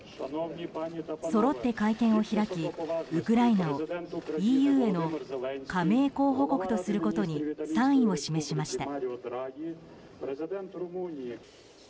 そろって会見を開きウクライナをＥＵへの加盟候補国とすることに賛意を示しました。